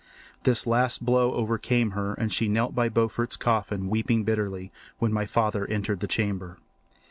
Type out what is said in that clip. This last blow overcame her, and she knelt by Beaufort's coffin weeping bitterly, when my father entered the chamber.